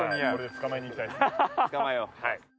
捕まえよう。